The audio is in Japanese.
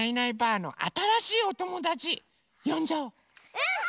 うん！